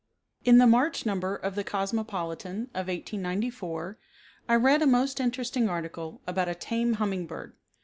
In the March number of the Cosmopolitan of 1894, I read a most interesting article about a tame humming bird.